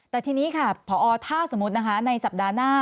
แต่ทีนี้ค่ะพอถ้าสมมุตินะคะในสัปดาห์หน้า